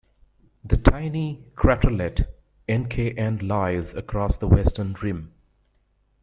The tiny craterlet Encke N lies across the western rim.